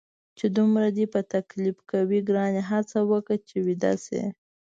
چې دومره دې په تکلیف کوي، ګرانې هڅه وکړه چې ویده شې.